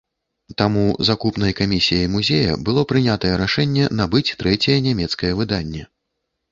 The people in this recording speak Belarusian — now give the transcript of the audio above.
Таму закупнай камісіяй музея было прынятае рашэнне набыць трэцяе нямецкае выданне.